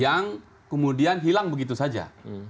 yang kemudian hilang begitu saja